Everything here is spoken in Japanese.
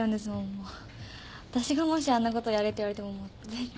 わたしがもしあんなことやれって言われても絶対。